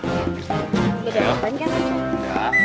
gak ada yang berani kan